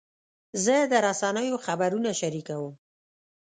زه د رسنیو خبرونه شریکوم.